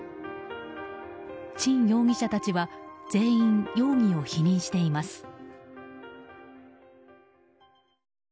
陳容疑者たちは全員容疑を否認しています。